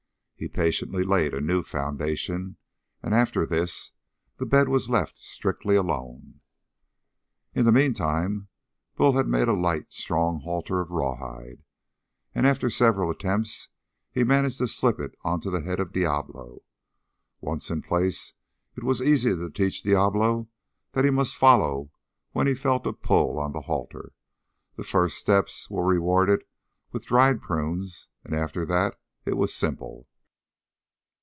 He patiently laid a new foundation, and after this the bed was left strictly alone. In the meantime Bull had made a light, strong halter of rawhide, and after several attempts he managed to slip it onto the head of Diablo. Once in place, it was easy to teach Diablo that he must follow when he felt a pull on the halter the first steps were rewarded with dried prunes, and after that it was simple.